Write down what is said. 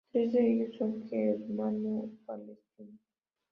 Tres de ellos son germano-palestinos.